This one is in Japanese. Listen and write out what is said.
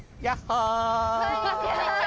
こんにちは！